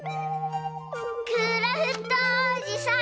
クラフトおじさん！